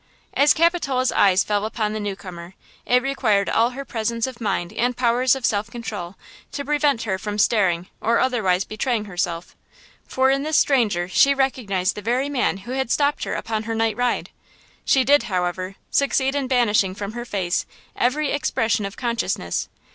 As Capitola's eyes fell upon this newcomer it required all her presence of mind and powers of self control to prevent her from staring or otherwise betraying herself–for in this stranger she recognized the very man who had stopped her upon her night ride. She did, however, succeed in banishing from her face every expression of consciousness.